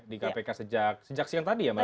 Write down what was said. di kpk sejak siang tadi ya mas